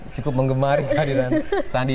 cukup mengemari kehadiran sandi